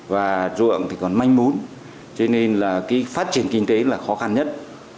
và ruộng thì còn manh mún cho nên là cái phát triển kinh tế là khó khăn nhất